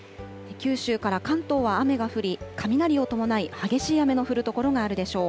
九州から関東は雨が降り、雷を伴い激しい雨の降る所があるでしょう。